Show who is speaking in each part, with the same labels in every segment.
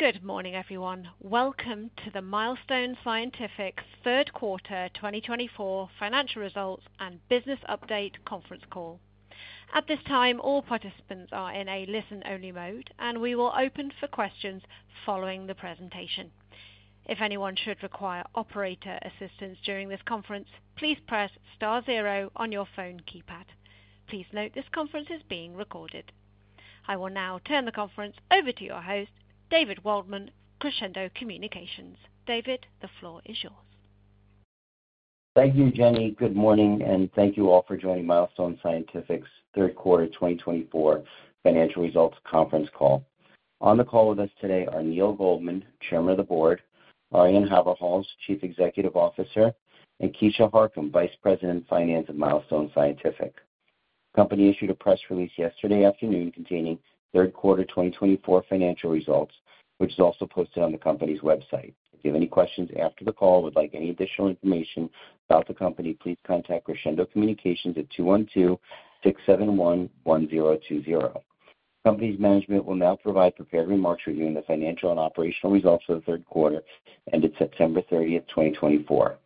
Speaker 1: Good morning, everyone. Welcome to the Milestone Scientific Third Quarter 2024 Financial Results and Business Update Conference Call. At this time, all participants are in a listen-only mode, and we will open for questions following the presentation. If anyone should require operator assistance during this conference, please press star zero on your phone keypad. Please note this conference is being recorded. I will now turn the conference over to your host, David Waldman, Crescendo Communications. David, the floor is yours.
Speaker 2: Thank you, Jenny. Good morning, and thank you all for joining Milestone Scientific's Third Quarter 2024 Financial Results Conference Call. On the call with us today are Neal Goldman, Chairman of the Board, Arjan Haverhals, Chief Executive Officer, and Keisha Harcum, Vice President of Finance at Milestone Scientific. The company issued a press release yesterday afternoon containing Third Quarter 2024 financial results, which is also posted on the company's website. If you have any questions after the call or would like any additional information about the company, please contact Crescendo Communications at 212-671-1020. The company's management will now provide prepared remarks regarding the financial and operational results for the third quarter ended September 30th, 2024.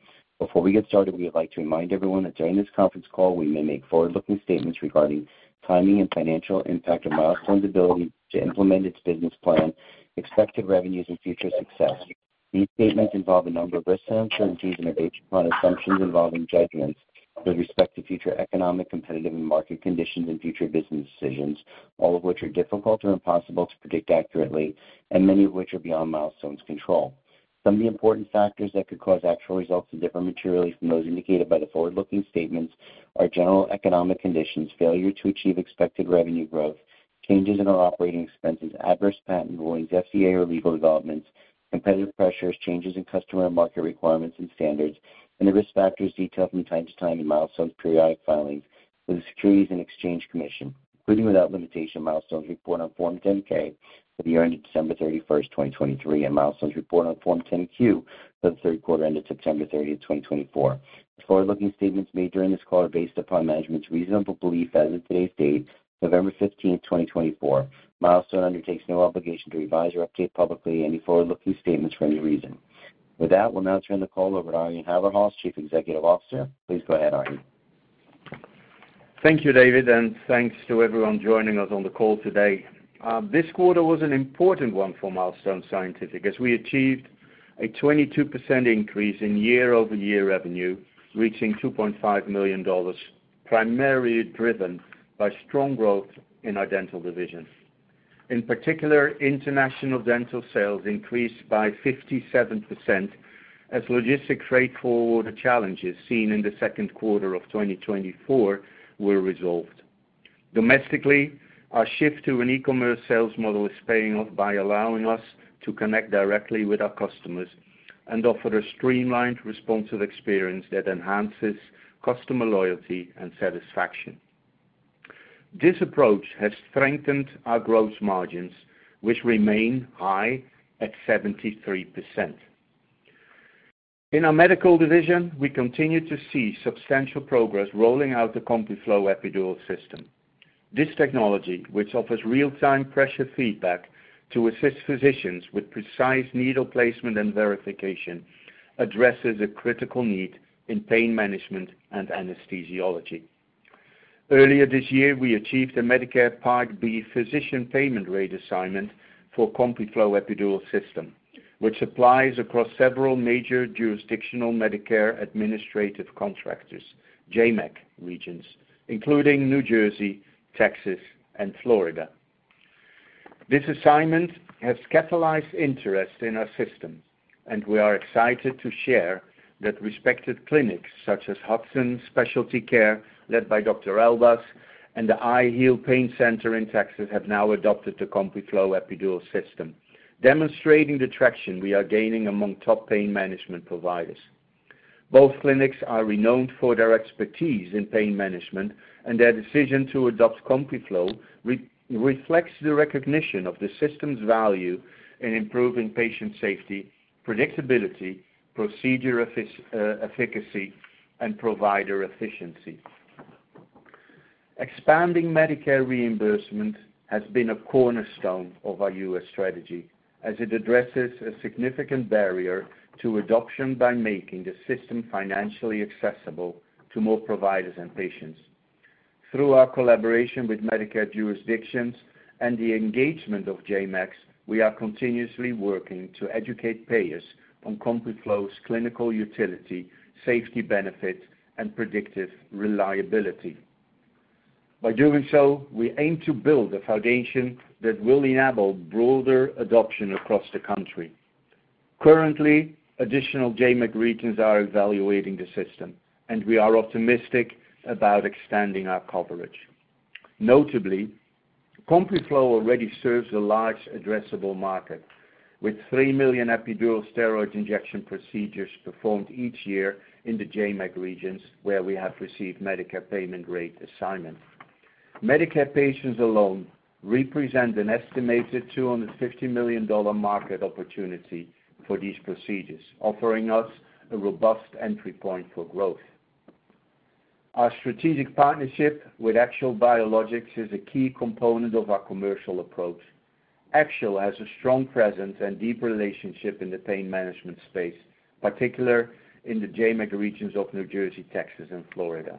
Speaker 2: Before we get started, we would like to remind everyone that during this conference call, we may make forward-looking statements regarding timing and financial impact of Milestone's ability to implement its business plan, expected revenues, and future success. These statements involve a number of risks and uncertainties and are based upon assumptions involving judgments with respect to future economic, competitive, and market conditions and future business decisions, all of which are difficult or impossible to predict accurately, and many of which are beyond Milestone's control. Some of the important factors that could cause actual results to differ materially from those indicated by the forward-looking statements are general economic conditions, failure to achieve expected revenue growth, changes in our operating expenses, adverse patent rulings, FDA or legal developments, competitive pressures, changes in customer and market requirements and standards, and the risk factors detailed from time to time in Milestone's periodic filings for the Securities and Exchange Commission, including without limitation Milestone's report on Form 10-K for the year ended December 31st, 2023, and Milestone's report on Form 10-Q for the third quarter ended September 30th, 2024. The forward-looking statements made during this call are based upon management's reasonable belief as of today's date, November 15th, 2024. Milestone undertakes no obligation to revise or update publicly any forward-looking statements for any reason. With that, we'll now turn the call over to Arjan Haverhals, Chief Executive Officer. Please go ahead, Arjan.
Speaker 3: Thank you, David, and thanks to everyone joining us on the call today. This quarter was an important one for Milestone Scientific as we achieved a 22% increase in year-over-year revenue, reaching $2.5 million, primarily driven by strong growth in our dental division. In particular, international dental sales increased by 57% as logistics freight forwarder challenges seen in the second quarter of 2024 were resolved. Domestically, our shift to an e-commerce sales model is paying off by allowing us to connect directly with our customers and offer a streamlined, responsive experience that enhances customer loyalty and satisfaction. This approach has strengthened our gross margins, which remain high at 73%. In our medical division, we continue to see substantial progress rolling out the CompuFlo Epidural System. This technology, which offers real-time pressure feedback to assist physicians with precise needle placement and verification, addresses a critical need in pain management and anesthesiology. Earlier this year, we achieved a Medicare Part B physician payment rate assignment for CompuFlo Epidural System, which applies across several major jurisdictional Medicare administrative contractors' JMAC regions, including New Jersey, Texas, and Florida. This assignment has catalyzed interest in our system, and we are excited to share that respected clinics such as Hudson Specialty Care, led by Dr. Elbaz, and the iHeal Pain Center in Texas have now adopted the CompuFlo Epidural System, demonstrating the traction we are gaining among top pain management providers. Both clinics are renowned for their expertise in pain management, and their decision to adopt CompuFlo reflects the recognition of the system's value in improving patient safety, predictability, procedure efficacy, and provider efficiency. Expanding Medicare reimbursement has been a cornerstone of our U.S. strategy as it addresses a significant barrier to adoption by making the system financially accessible to more providers and patients. Through our collaboration with Medicare jurisdictions and the engagement of JMACs, we are continuously working to educate payers on CompuFlo's clinical utility, safety benefits, and predictive reliability. By doing so, we aim to build a foundation that will enable broader adoption across the country. Currently, additional JMAC regions are evaluating the system, and we are optimistic about expanding our coverage. Notably, CompuFlo already serves a large addressable market, with 3 million epidural steroid injection procedures performed each year in the JMAC regions where we have received Medicare payment rate assignment. Medicare patients alone represent an estimated $250 million market opportunity for these procedures, offering us a robust entry point for growth. Our strategic partnership with Axial Biologics is a key component of our commercial approach. Axial has a strong presence and deep relationship in the pain management space, particularly in the JMAC regions of New Jersey, Texas, and Florida.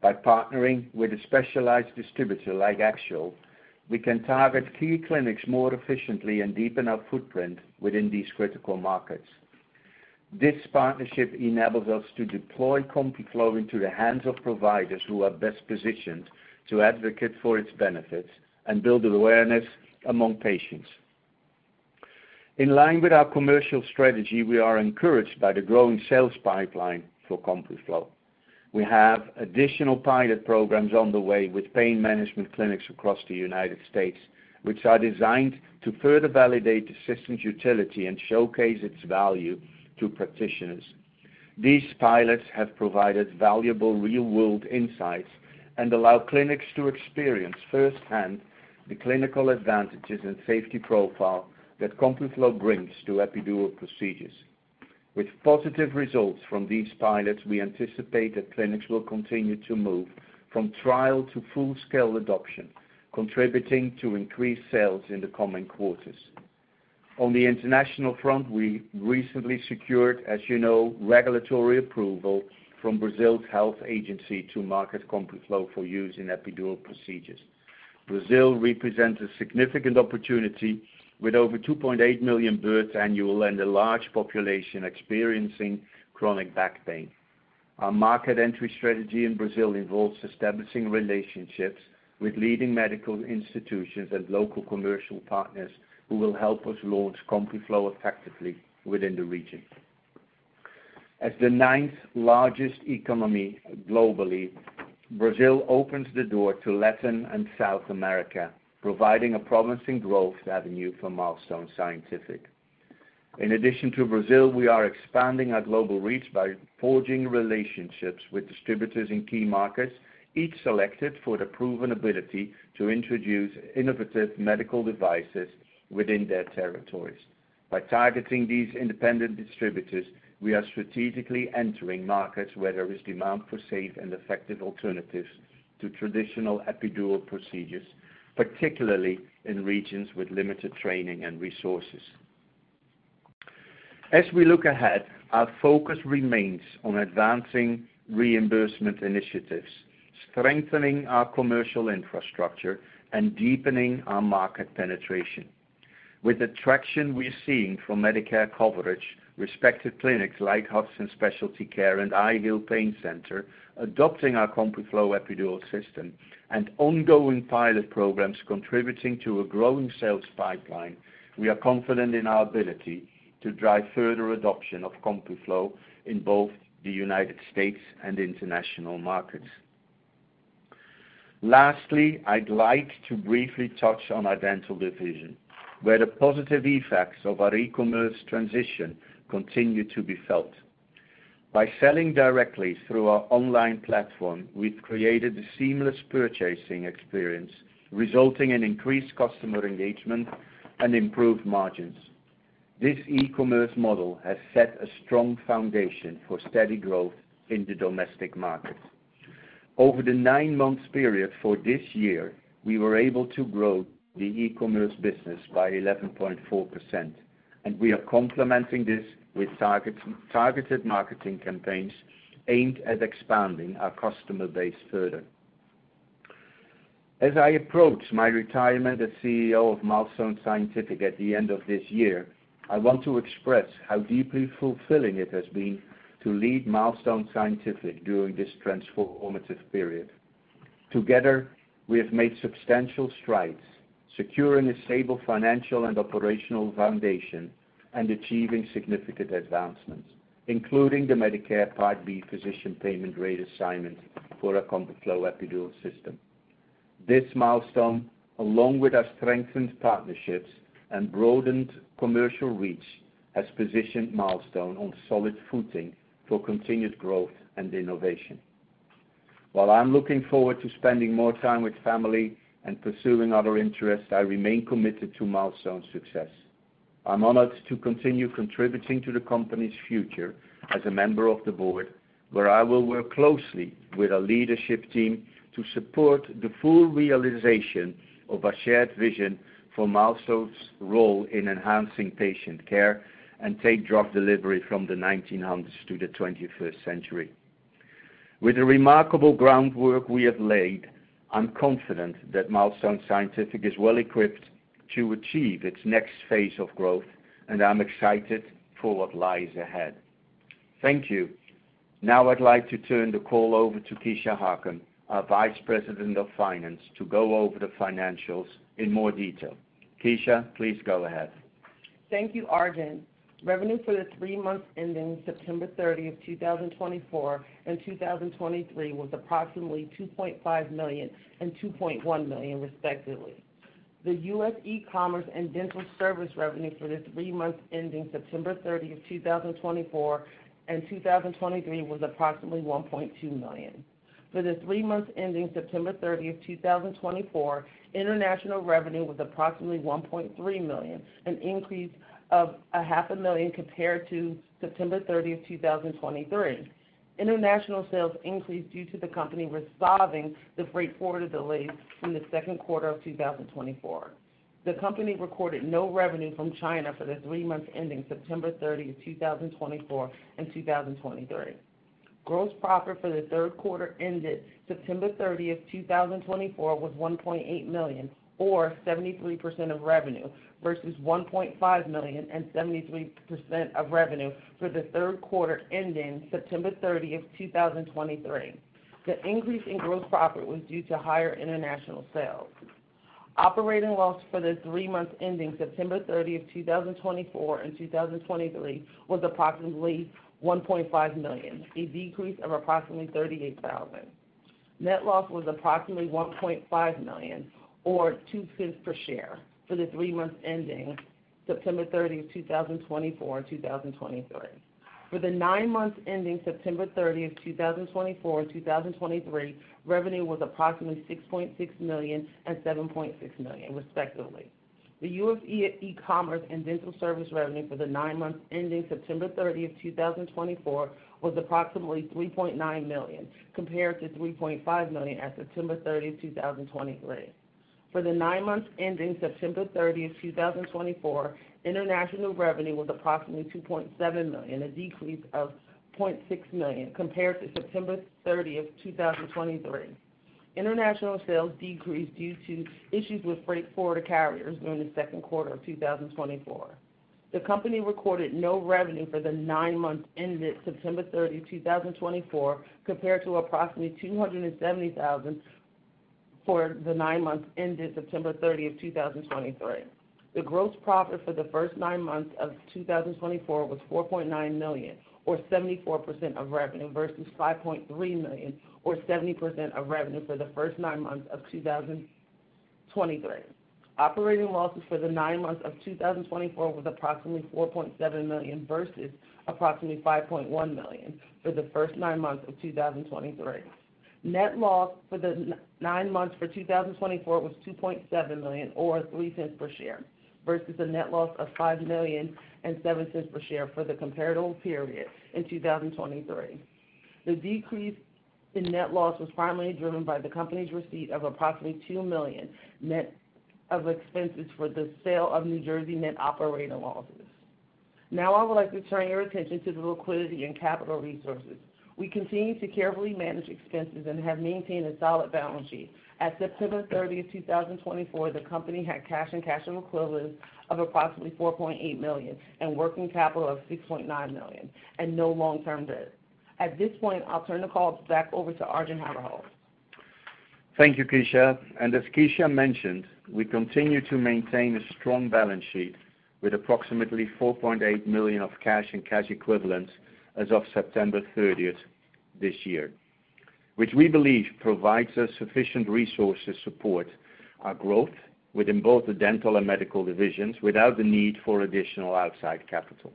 Speaker 3: By partnering with a specialized distributor like Axial Biologics, we can target key clinics more efficiently and deepen our footprint within these critical markets. This partnership enables us to deploy CompuFlo into the hands of providers who are best positioned to advocate for its benefits and build awareness among patients. In line with our commercial strategy, we are encouraged by the growing sales pipeline for CompuFlo. We have additional pilot programs on the way with pain management clinics across the United States, which are designed to further validate the system's utility and showcase its value to practitioners. These pilots have provided valuable real-world insights and allow clinics to experience firsthand the clinical advantages and safety profile that CompuFlo brings to epidural procedures. With positive results from these pilots, we anticipate that clinics will continue to move from trial to full-scale adoption, contributing to increased sales in the coming quarters. On the international front, we recently secured, as you know, regulatory approval from Brazil's health agency to market CompuFlo for use in epidural procedures. Brazil represents a significant opportunity with over 2.8 million births annually and a large population experiencing chronic back pain. Our market entry strategy in Brazil involves establishing relationships with leading medical institutions and local commercial partners who will help us launch CompuFlo effectively within the region. As the ninth largest economy globally, Brazil opens the door to Latin and South America, providing a promising growth avenue for Milestone Scientific. In addition to Brazil, we are expanding our global reach by forging relationships with distributors in key markets, each selected for the proven ability to introduce innovative medical devices within their territories. By targeting these independent distributors, we are strategically entering markets where there is demand for safe and effective alternatives to traditional epidural procedures, particularly in regions with limited training and resources. As we look ahead, our focus remains on advancing reimbursement initiatives, strengthening our commercial infrastructure, and deepening our market penetration. With the traction we are seeing from Medicare coverage, respected clinics like Hudson Specialty Care and iHeal Pain Center adopting our CompuFlo Epidural System, and ongoing pilot programs contributing to a growing sales pipeline, we are confident in our ability to drive further adoption of CompuFlo in both the United States and international markets. Lastly, I'd like to briefly touch on our dental division, where the positive effects of our e-commerce transition continue to be felt. By selling directly through our online platform, we've created a seamless purchasing experience, resulting in increased customer engagement and improved margins. This e-commerce model has set a strong foundation for steady growth in the domestic market. Over the nine-month period for this year, we were able to grow the e-commerce business by 11.4%, and we are complementing this with targeted marketing campaigns aimed at expanding our customer base further. As I approach my retirement as CEO of Milestone Scientific at the end of this year, I want to express how deeply fulfilling it has been to lead Milestone Scientific during this transformative period. Together, we have made substantial strides, securing a stable financial and operational foundation and achieving significant advancements, including the Medicare Part B physician payment rate assignment for our CompuFlo Epidural System. This milestone, along with our strengthened partnerships and broadened commercial reach, has positioned Milestone on solid footing for continued growth and innovation. While I'm looking forward to spending more time with family and pursuing other interests, I remain committed to Milestone's success. I'm honored to continue contributing to the company's future as a member of the board, where I will work closely with our leadership team to support the full realization of our shared vision for Milestone's role in enhancing patient care and take drug delivery from the 1900s to the 21st century. With the remarkable groundwork we have laid, I'm confident that Milestone Scientific is well equipped to achieve its next phase of growth, and I'm excited for what lies ahead. Thank you. Now, I'd like to turn the call over to Keisha Harcum, our Vice President of Finance, to go over the financials in more detail. Keisha, please go ahead.
Speaker 4: Thank you, Arjan. Revenue for the three months ending September 30th, 2024, and 2023 was approximately $2.5 million and $2.1 million, respectively. The U.S. e-commerce and dental service revenue for the three months ending September 30th, 2024, and 2023 was approximately $1.2 million. For the three months ending September 30th, 2024, international revenue was approximately $1.3 million, an increase of $500,000 compared to September 30th, 2023. International sales increased due to the company resolving the freight forwarder delays in the second quarter of 2024. The company recorded no revenue from China for the three months ending September 30th, 2024, and 2023. Gross profit for the third quarter ended September 30th, 2024, was $1.8 million, or 73% of revenue, versus $1.5 million and 73% of revenue for the third quarter ending September 30th, 2023. The increase in gross profit was due to higher international sales. Operating loss for the three months ending September 30th, 2024, and 2023 was approximately $1.5 million, a decrease of approximately $38,000. Net loss was approximately $1.5 million, or $0.02 per share, for the three months ending September 30th, 2024, and 2023. For the nine months ending September 30th, 2024, and 2023, revenue was approximately $6.6 million and $7.6 million, respectively. The U.S. e-commerce and dental service revenue for the nine months ending September 30th, 2024, was approximately $3.9 million, compared to $3.5 million at September 30th, 2023. For the nine months ending September 30th, 2024, international revenue was approximately $2.7 million, a decrease of $0.6 million, compared to September 30th, 2023. International sales decreased due to issues with freight forwarder carriers during the second quarter of 2024. The company recorded no revenue for the nine months ended September 30th, 2024, compared to approximately $270,000 for the nine months ended September 30th, 2023. The gross profit for the first nine months of 2024 was $4.9 million, or 74% of revenue, versus $5.3 million, or 70% of revenue for the first nine months of 2023. Operating losses for the nine months of 2024 were approximately $4.7 million versus approximately $5.1 million for the first nine months of 2023. Net loss for the nine months for 2024 was $2.7 million, or $0.03 per share, versus a net loss of $5 million or $0.07 per share for the comparable period in 2023. The decrease in net loss was primarily driven by the company's receipt of approximately $2 million net of expenses for the sale of New Jersey net operating losses. Now, I would like to turn your attention to the liquidity and capital resources. We continue to carefully manage expenses and have maintained a solid balance sheet. At September 30th, 2024, the company had cash and cash equivalents of approximately $4.8 million and working capital of $6.9 million, and no long-term debt. At this point, I'll turn the call back over to Arjan Haverhals.
Speaker 3: Thank you, Keisha, and as Keisha mentioned, we continue to maintain a strong balance sheet with approximately $4.8 million of cash and cash equivalents as of September 30th this year, which we believe provides us sufficient resources to support our growth within both the dental and medical divisions without the need for additional outside capital.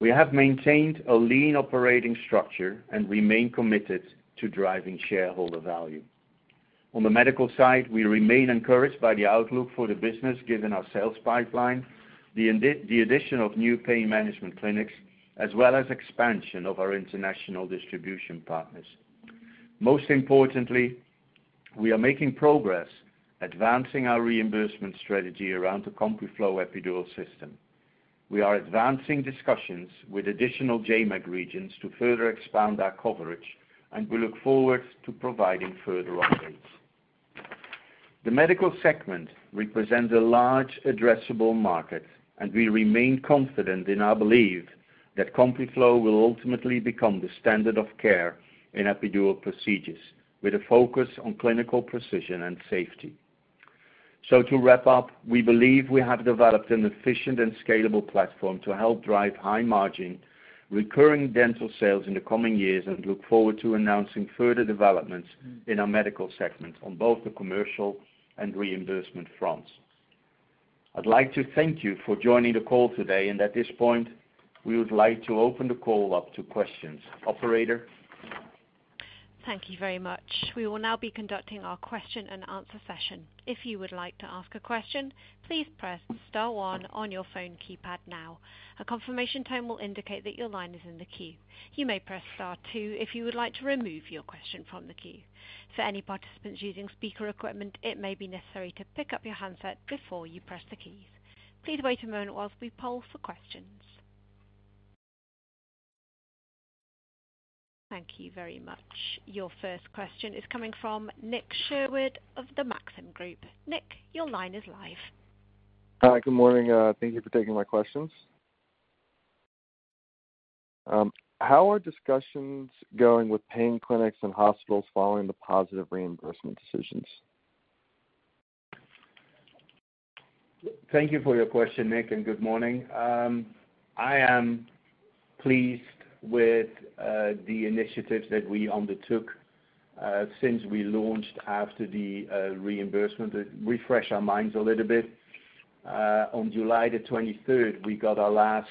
Speaker 3: We have maintained a lean operating structure and remain committed to driving shareholder value. On the medical side, we remain encouraged by the outlook for the business given our sales pipeline, the addition of new pain management clinics, as well as expansion of our international distribution partners. Most importantly, we are making progress advancing our reimbursement strategy around the CompuFlo Epidural System. We are advancing discussions with additional JMAC regions to further expand our coverage, and we look forward to providing further updates. The medical segment represents a large, addressable market, and we remain confident in our belief that CompuFlo will ultimately become the standard of care in epidural procedures with a focus on clinical precision and safety. So, to wrap up, we believe we have developed an efficient and scalable platform to help drive high-margin recurring dental sales in the coming years and look forward to announcing further developments in our medical segment on both the commercial and reimbursement fronts. I'd like to thank you for joining the call today, and at this point, we would like to open the call up to questions. Operator.
Speaker 1: Thank you very much. We will now be conducting our question-and-answer session. If you would like to ask a question, please press Star 1 on your phone keypad now. A confirmation tone will indicate that your line is in the queue. You may press Star 2 if you would like to remove your question from the queue. For any participants using speaker equipment, it may be necessary to pick up your handset before you press the keys. Please wait a moment while we poll for questions. Thank you very much. Your first question is coming from Nick Sherwood of the Maxim Group. Nick, your line is live.
Speaker 5: Hi, good morning. Thank you for taking my questions. How are discussions going with pain clinics and hospitals following the positive reimbursement decisions?
Speaker 3: Thank you for your question, Nick, and good morning. I am pleased with the initiatives that we undertook since we launched after the reimbursement to refresh our minds a little bit. On July the 23rd, we got our last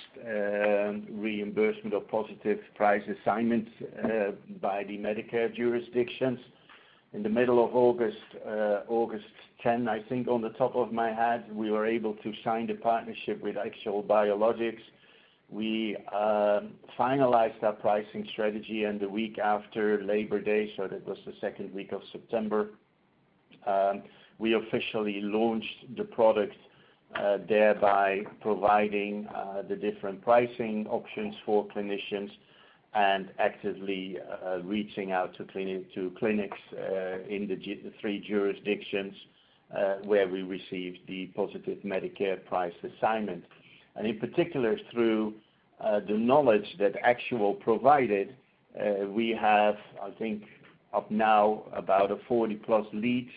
Speaker 3: reimbursement of positive price assignments by the Medicare jurisdictions. In the middle of August, August 10, I think, off the top of my head, we were able to sign the partnership with Axial Biologics. We finalized our pricing strategy in the week after Labor Day, so that was the second week of September. We officially launched the product, thereby providing the different pricing options for clinicians and actively reaching out to clinics in the three jurisdictions where we received the positive Medicare price assignment. In particular, through the knowledge that Axial Biologics provided, we have, I think, up now about 40-plus leads,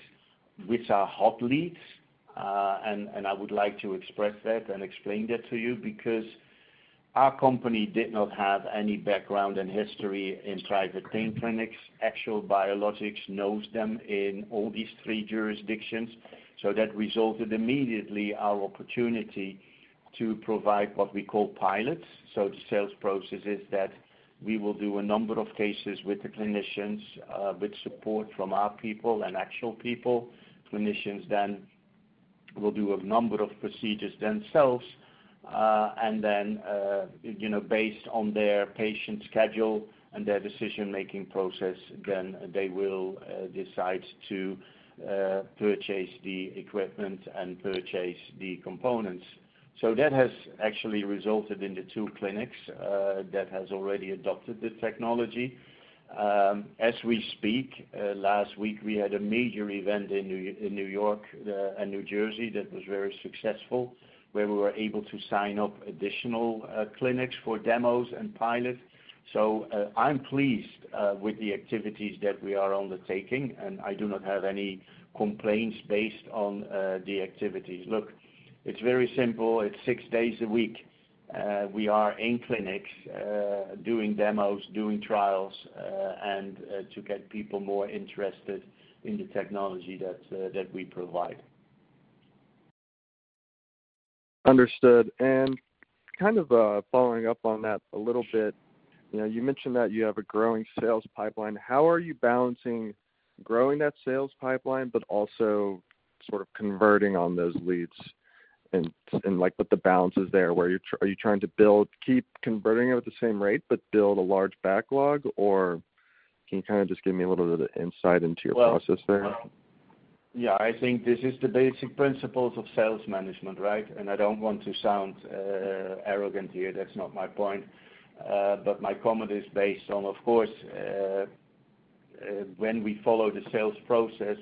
Speaker 3: which are hot leads, and I would like to express that and explain that to you because our company did not have any background and history in private pain clinics. Axial Biologics knows them in all these three jurisdictions, so that resulted immediately in our opportunity to provide what we call pilots. The sales process is that we will do a number of cases with the clinicians with support from our people and Axial Biologics people. Clinicians then will do a number of procedures themselves, and then based on their patient schedule and their decision-making process, then they will decide to purchase the equipment and purchase the components. That has actually resulted in the two clinics that have already adopted the technology. As we speak, last week, we had a major event in New York and New Jersey that was very successful, where we were able to sign up additional clinics for demos and pilots. So I'm pleased with the activities that we are undertaking, and I do not have any complaints based on the activities. Look, it's very simple. It's six days a week. We are in clinics doing demos, doing trials, and to get people more interested in the technology that we provide.
Speaker 5: Understood. And kind of following up on that a little bit, you mentioned that you have a growing sales pipeline. How are you balancing growing that sales pipeline but also sort of converting on those leads? And what the balance is there, where are you trying to build, keep converting at the same rate, but build a large backlog, or can you kind of just give me a little bit of insight into your process there?
Speaker 3: Yeah, I think this is the basic principles of sales management, right? And I don't want to sound arrogant here. That's not my point. But my comment is based on, of course, when we follow the sales process,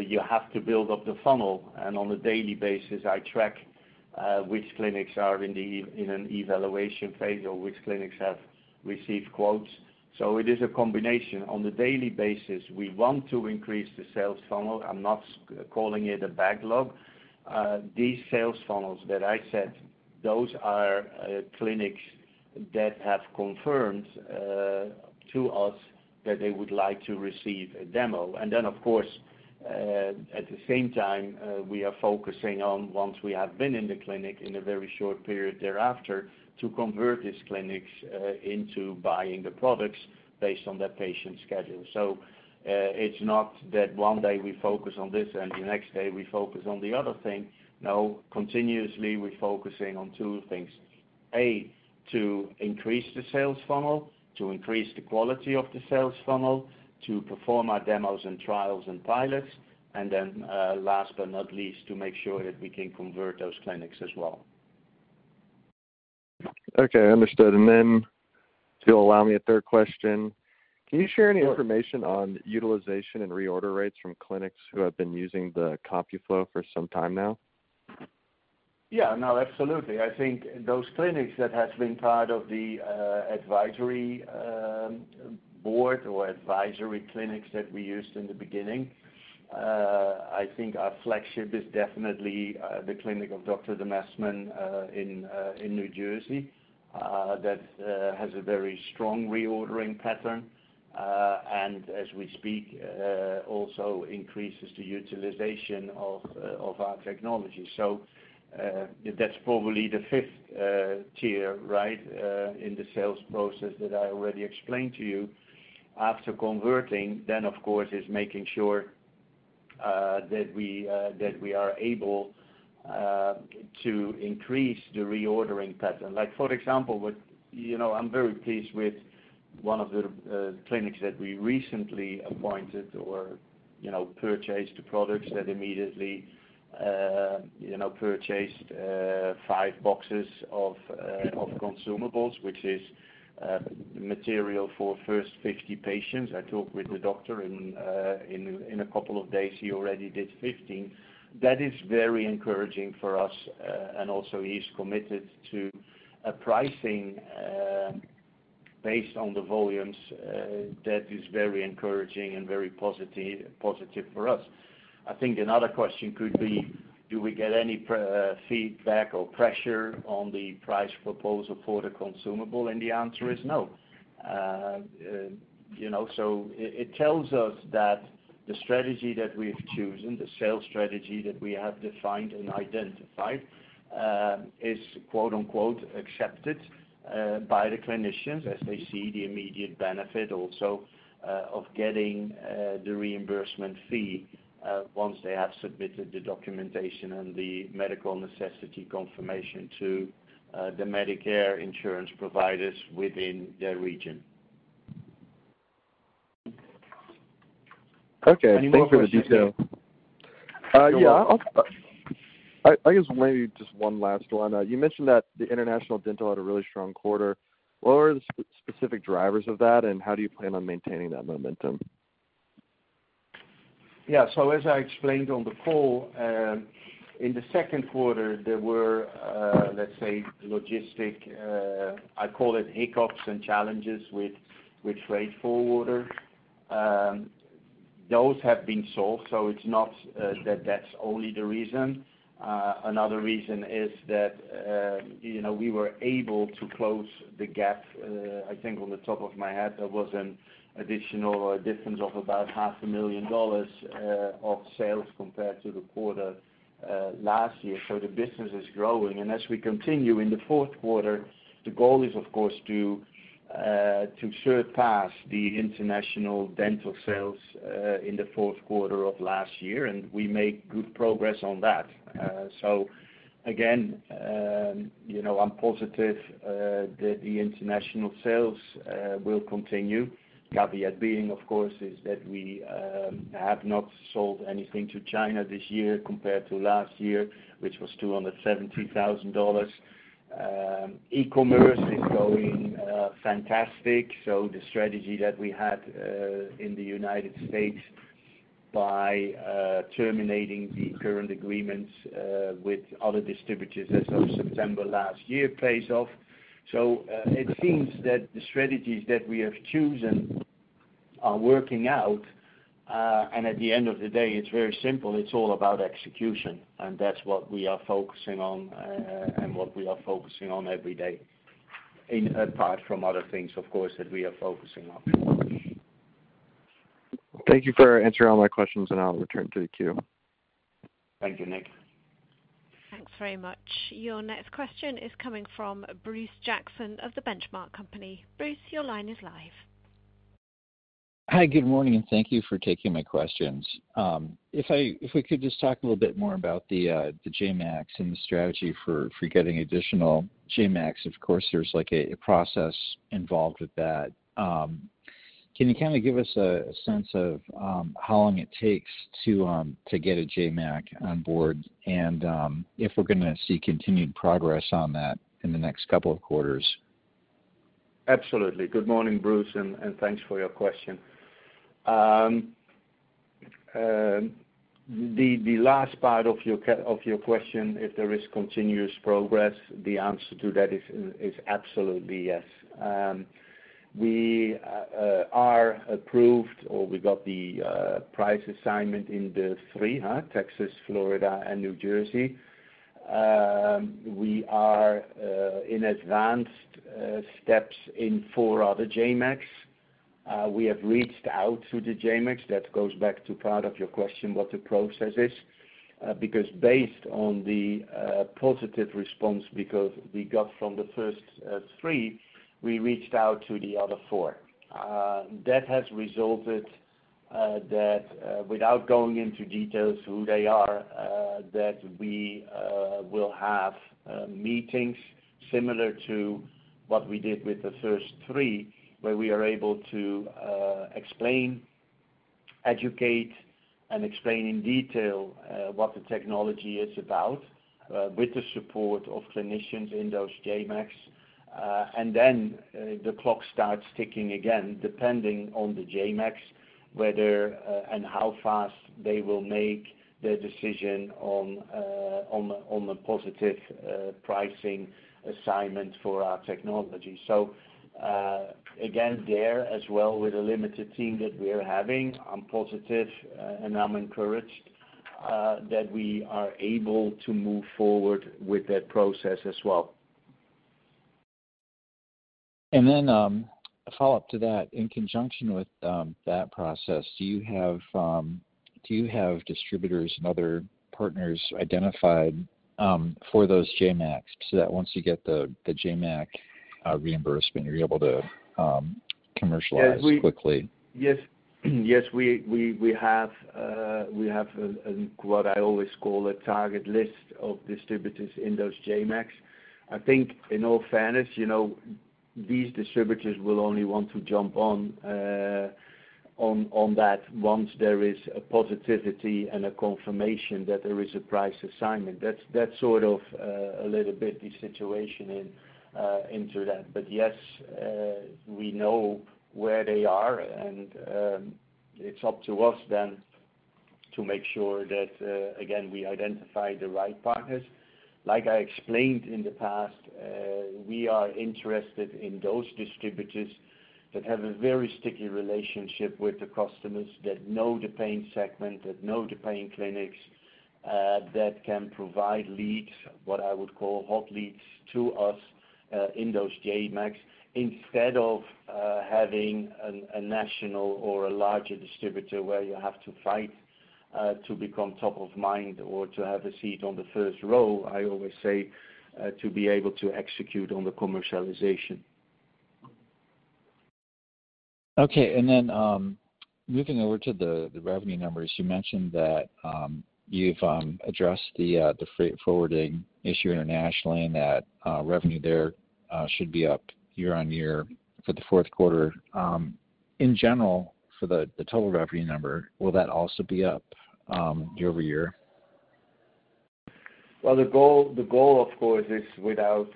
Speaker 3: you have to build up the funnel. And on a daily basis, I track which clinics are in an evaluation phase or which clinics have received quotes. So it is a combination. On the daily basis, we want to increase the sales funnel. I'm not calling it a backlog. These sales funnels that I said, those are clinics that have confirmed to us that they would like to receive a demo. And then, of course, at the same time, we are focusing on, once we have been in the clinic in a very short period thereafter, to convert these clinics into buying the products based on their patient schedule. So it's not that one day we focus on this and the next day we focus on the other thing. No, continuously we're focusing on two things: A, to increase the sales funnel, to increase the quality of the sales funnel, to perform our demos and trials and pilots, and then last but not least, to make sure that we can convert those clinics as well.
Speaker 5: Okay, understood. And then if you'll allow me a third question, can you share any information on utilization and reorder rates from clinics who have been using the CompuFlo for some time now?
Speaker 3: Yeah, no, absolutely. I think those clinics that have been part of the advisory board or advisory clinics that we used in the beginning. I think our flagship is definitely the clinic of Dr. Didier Demesmin in New Jersey that has a very strong reordering pattern and, as we speak, also increases the utilization of our technology. So that's probably the fifth tier, right, in the sales process that I already explained to you. After converting, then, of course, is making sure that we are able to increase the reordering pattern. For example, I'm very pleased with one of the clinics that we recently appointed or purchased products that immediately purchased five boxes of consumables, which is material for first 50 patients. I talked with the doctor, and in a couple of days, he already did 15. That is very encouraging for us, and also he's committed to a pricing based on the volumes. That is very encouraging and very positive for us. I think another question could be, do we get any feedback or pressure on the price proposal for the consumable? And the answer is no. So it tells us that the strategy that we've chosen, the sales strategy that we have defined and identified, is "accepted" by the clinicians as they see the immediate benefit also of getting the reimbursement fee once they have submitted the documentation and the medical necessity confirmation to the Medicare insurance providers within their region.
Speaker 5: Okay, thanks for the detail. Yeah, I guess maybe just one last one. You mentioned that the international dental had a really strong quarter. What were the specific drivers of that, and how do you plan on maintaining that momentum?
Speaker 3: Yeah, so as I explained on the call, in the second quarter, there were, let's say, logistics—I call it hiccups and challenges with freight forwarders. Those have been solved, so it's not that that's only the reason. Another reason is that we were able to close the gap. I think off the top of my head, there was an additional difference of about $500,000 of sales compared to the quarter last year. So the business is growing. And as we continue in the fourth quarter, the goal is, of course, to surpass the international dental sales in the fourth quarter of last year, and we make good progress on that. So again, I'm positive that the international sales will continue. Caveat being, of course, is that we have not sold anything to China this year compared to last year, which was $270,000. E-commerce is going fantastic. So the strategy that we had in the United States by terminating the current agreements with other distributors as of September last year pays off. So it seems that the strategies that we have chosen are working out. And at the end of the day, it's very simple. It's all about execution, and that's what we are focusing on and what we are focusing on every day, apart from other things, of course, that we are focusing on.
Speaker 5: Thank you for answering all my questions, and I'll return to the queue.
Speaker 3: Thank you, Nick.
Speaker 1: Thanks very much. Your next question is coming from Bruce Jackson of The Benchmark Company. Bruce, your line is live.
Speaker 6: Hi, good morning, and thank you for taking my questions. If we could just talk a little bit more about the JMAC and the strategy for getting additional JMAC, of course, there's a process involved with that. Can you kind of give us a sense of how long it takes to get a JMAC on board and if we're going to see continued progress on that in the next couple of quarters?
Speaker 3: Absolutely. Good morning, Bruce, and thanks for your question. The last part of your question, if there is continuous progress, the answer to that is absolutely yes. We are approved, or we got the price assignment in the three: Texas, Florida, and New Jersey. We are in advanced steps in four other JMACs. We have reached out to the JMACs. That goes back to part of your question, what the process is, because based on the positive response we got from the first three, we reached out to the other four. That has resulted that, without going into details who they are, that we will have meetings similar to what we did with the first three, where we are able to explain, educate, and explain in detail what the technology is about with the support of clinicians in those JMACs. And then the clock starts ticking again, depending on the JMAC, whether and how fast they will make their decision on a positive pricing assignment for our technology. So again, there as well, with the limited team that we are having, I'm positive and I'm encouraged that we are able to move forward with that process as well.
Speaker 6: Then a follow-up to that. In conjunction with that process, do you have distributors and other partners identified for those JMAC so that once you get the JMAC reimbursement, you're able to commercialize quickly?
Speaker 3: Yes, yes, we have what I always call a target list of distributors in those JMAC. I think in all fairness, these distributors will only want to jump on that once there is a positivity and a confirmation that there is a price assignment. That's sort of a little bit the situation into that. But yes, we know where they are, and it's up to us then to make sure that, again, we identify the right partners. Like I explained in the past, we are interested in those distributors that have a very sticky relationship with the customers, that know the pain segment, that know the pain clinics, that can provide leads, what I would call hot leads, to us in those JMACs instead of having a national or a larger distributor where you have to fight to become top of mind or to have a seat on the first row, I always say, to be able to execute on the commercialization.
Speaker 6: Okay, and then moving over to the revenue numbers, you mentioned that you've addressed the freight forwarding issue internationally and that revenue there should be up year on year for the fourth quarter. In general, for the total revenue number, will that also be up year over year?
Speaker 3: The goal, of course, is without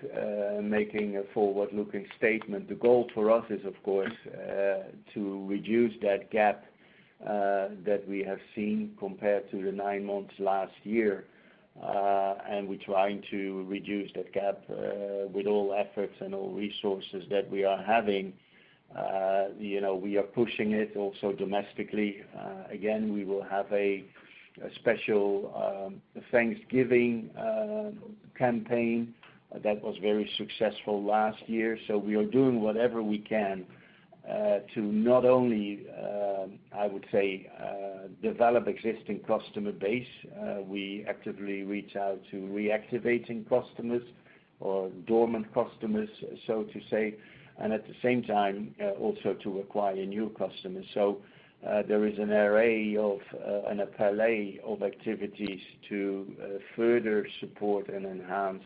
Speaker 3: making a forward-looking statement. The goal for us is, of course, to reduce that gap that we have seen compared to the nine months last year, and we're trying to reduce that gap with all efforts and all resources that we are having. We are pushing it also domestically. Again, we will have a special Thanksgiving campaign that was very successful last year. We are doing whatever we can to not only, I would say, develop existing customer base. We actively reach out to reactivating customers or dormant customers, so to say, and at the same time, also to acquire new customers. There is an array of a panoply of activities to further support and enhance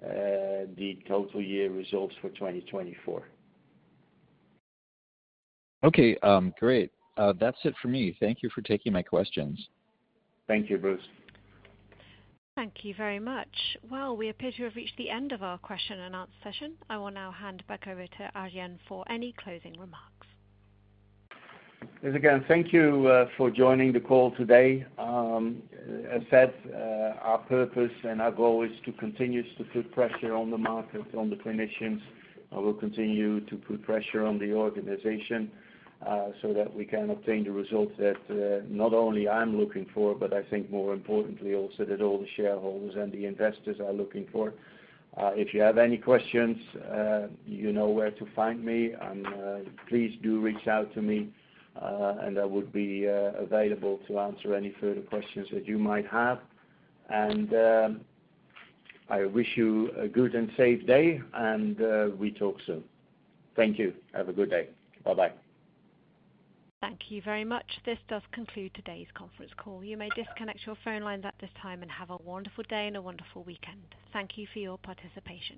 Speaker 3: the total year results for 2024.
Speaker 6: Okay, great. That's it for me. Thank you for taking my questions.
Speaker 3: Thank you, Bruce.
Speaker 1: Thank you very much. We appear to have reached the end of our question and answer session. I will now hand back over to Arjan for any closing remarks.
Speaker 3: Yes, again, thank you for joining the call today. As said, our purpose and our goal is to continue to put pressure on the market, on the clinicians. We'll continue to put pressure on the organization so that we can obtain the results that not only I'm looking for, but I think more importantly also that all the shareholders and the investors are looking for. If you have any questions, you know where to find me. Please do reach out to me, and I would be available to answer any further questions that you might have. And I wish you a good and safe day, and we talk soon. Thank you. Have a good day. Bye-bye.
Speaker 1: Thank you very much. This does conclude today's conference call. You may disconnect your phone lines at this time and have a wonderful day and a wonderful weekend. Thank you for your participation.